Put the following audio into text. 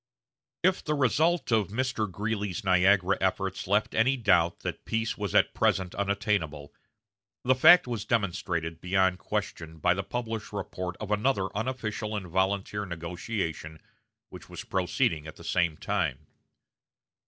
If the result of Mr. Greeley's Niagara efforts left any doubt that peace was at present unattainable, the fact was demonstrated beyond question by the published report of another unofficial and volunteer negotiation which was proceeding at the same time.